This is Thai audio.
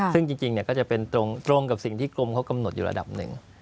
ซึ่งจริงก็จะเป็นตรงกับสิ่งที่กรมเขากำหนดอยู่ระดับหนึ่ง